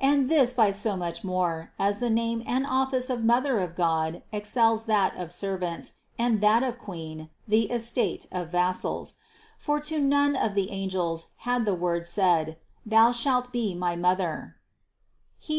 And this by so much more, as the name and office of Mother of God ex cels that of servants, and that of Queen, the estate of vas sals ; for to none of the angels had the Word said : thou shalt be my Mother (Heb.